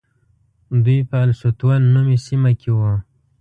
دوی په السطوة نومې سیمه کې وو.